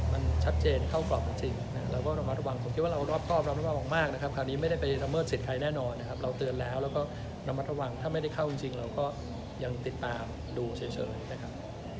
ไม่ได้เข้ากรอบจริงเราก็ระวังคิดว่าเรารอบครอบมากนะครับคราวนี้ไม่ได้ไปทะเมิดศิษย์ใครแน่นอนนะครับเราเตือนแล้วแล้วก็ระวังถ้าไม่ได้เข้าจริงเราก็ยังติดตามดูเฉยนะครับ